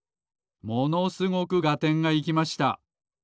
ものすごくがてんがいきました。